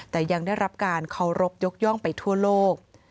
แต่ยังได้รับการเคารพยกย่องไปทั่วโลก